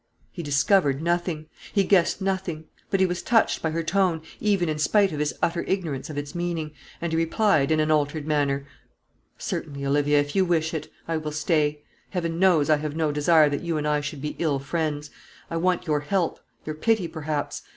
He discovered nothing; he guessed nothing. But he was touched by her tone, even in spite of his utter ignorance of its meaning, and he replied, in an altered manner, "Certainly, Olivia, if you really wish it, I will stay. Heaven knows I have no desire that you and I should be ill friends. I want your help; your pity, perhaps.